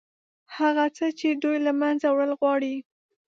هغه څه چې دوی له منځه وړل غواړي.